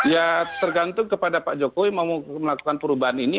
ya tergantung kepada pak jokowi mau melakukan perubahan ini